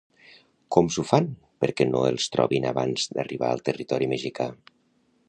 Com s'ho fan perquè no els trobin abans d'arribar al territori mexicà?